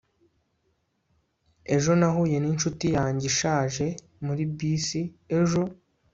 ejo nahuye ninshuti yanjye ishaje muri bisi ejo